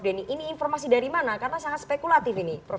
denny ini informasi dari mana karena sangat spekulatif ini prof